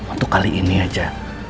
untuk kali ini aja